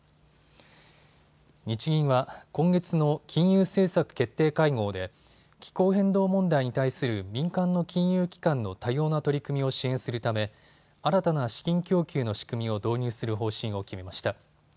日銀は今月の金融政策決定会合で気候変動問題に対する民間の金融機関の多様な取り組みを支援するため新たな資金供給の仕組みを導入する方針を決めました。